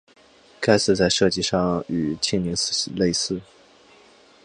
该寺在设计上与庆宁寺类似。